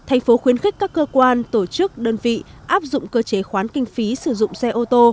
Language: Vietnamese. thành phố khuyến khích các cơ quan tổ chức đơn vị áp dụng cơ chế khoán kinh phí sử dụng xe ô tô